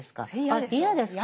あっ嫌ですか？